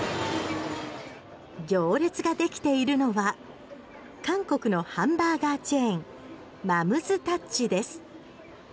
行列ができているのは韓国のハンバーガーチェーンＭＯＭ’ＳＴＯＵＣＨです。